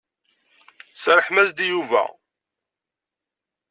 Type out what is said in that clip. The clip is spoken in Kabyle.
Serrḥem-as-d i Yuba.